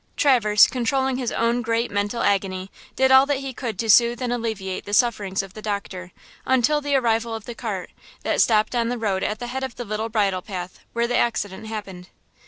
Traverse, controlling his own great mental agony, did all that he could to soothe and alleviate the sufferings of the doctor, until the arrival of the cart, that stopped on the road at the head of the little bridle path, where the accident happened.